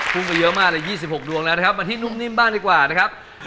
พุ่งไปเยอะมากเลย๒๖ดวงแล้วนะครับมาที่นุ่มนิ่มบ้างดีกว่านะครับ